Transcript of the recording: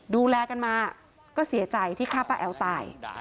ดูแลกันมาก็เสียใจที่ฆ่าป้าแอ๋วตาย